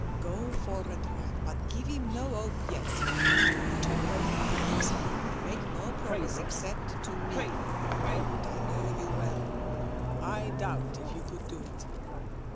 'Go for a drive, but give him no hope yet.' He took both her hands. 'Make no promise, except to me. Don't I know you well? I doubt if you could do it.'